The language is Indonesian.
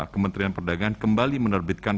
kementerian perdagangan kembali menerbitkan